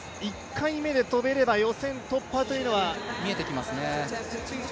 １回目で跳べれば予選突破というのは見えてきますね。